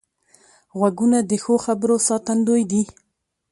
غوږونه د ښو خبرو ساتندوی دي